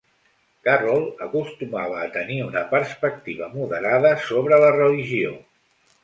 Carroll acostumava a tenir una perspectiva moderada sobre la religió.